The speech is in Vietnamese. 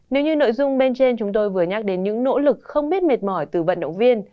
nếu như nội dung bên trên chúng tôi vừa nhắc đến những nỗ lực không biết mệt mỏi từ vận động viên